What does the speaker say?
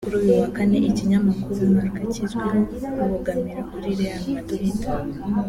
Kuri uyu wa Kane ikinyamakuru Marca kizwi ho kubogamira kuri Real Madrid